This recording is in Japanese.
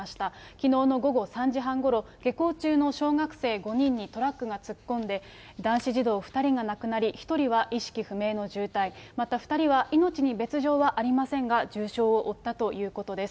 きのうの午後３時半ごろ、下校中の小学生５人にトラックが突っ込んで、男子児童２人が亡くなり、１人は意識不明の重体、また２人は命に別状はありませんが、重傷を負ったということです。